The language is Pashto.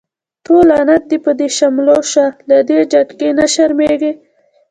تو لعنت په دی شملو شه، لا دی جګی نه شرميږی